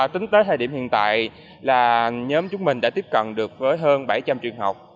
tính tới thời điểm hiện tại là nhóm chúng mình đã tiếp cận được với hơn bảy trăm linh trường học